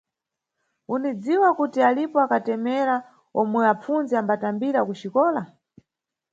Unidziwa kuti alipo akatemera omwe apfunzi ambatambira ku xikola?